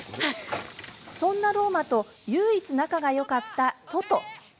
そんなロウマと唯一、仲がよかったトト。